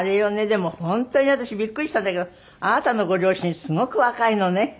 でも本当に私ビックリしたんだけどあなたのご両親すごく若いのね。